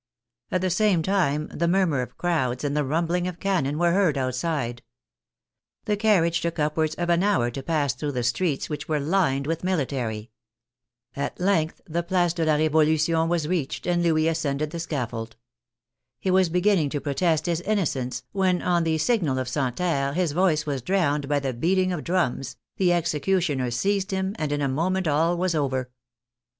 At the same time the murmur of crowds and the rumbling of cannon were heard outside. The car riage took upwards of an hour to pass through the streets, which were lined with military. At length the Place de TRIAL AND EXECUTION OF THE KING 55 la Revolution was reached, and Louis ascended the scaf fold. He was beginning to protest his innocence, when on the signal of Santerre his voice was drowned by the beating of drums, the executioner seized him, and in a moment all was over.